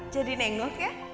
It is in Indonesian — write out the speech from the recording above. jadi nengok ya